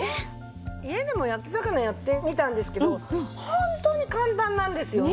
家でも焼き魚やってみたんですけどホントに簡単なんですよね！